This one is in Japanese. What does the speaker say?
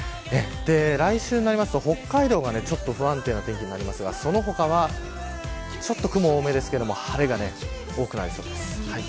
来週になると北海道はちょっと不安定なお天気になりますがその他はちょっと雲が多めですが晴れが多くなりそうです。